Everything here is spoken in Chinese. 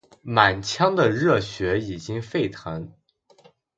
满腔的热血已经沸腾，